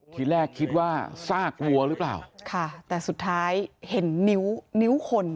ทีแรกคิดว่าซากวัวหรือเปล่าค่ะแต่สุดท้ายเห็นนิ้วนิ้วคน